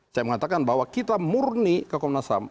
saya mengatakan bahwa kita murni ke komnas ham